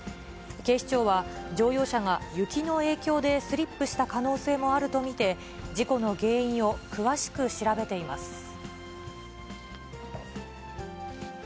警視庁は、乗用車が雪の影響でスリップした可能性もあると見て、事故の原因を詳しく調べています。